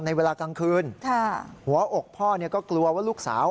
เวลากลางคืนหัวอกพ่อก็กลัวว่าลูกสาว